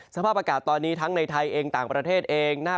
สภาพอากาศตอนนี้ทั้งในไทยเองต่างประเทศเอง